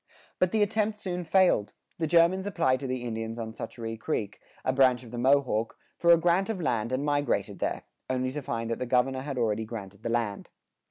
[82:1] But the attempt soon failed; the Germans applied to the Indians on Schoharie Creek, a branch of the Mohawk, for a grant of land and migrated there, only to find that the governor had already granted the land.